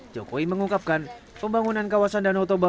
jokowi mengungkapkan pembangunan kawasan danau toba